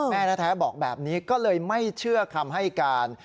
แม่แท้บอกแบบนี้ก็เลยไม่เชื่อคำให้การ